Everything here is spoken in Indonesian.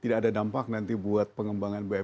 tidak ada dampak nanti buat pengembangan pmn begitu ya